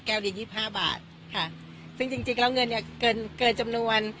แก้วเลี้ยงยิบห้าบาทค่ะซึ่งจริงจริงแล้วเงินเนี้ยเกินเกินจำนวน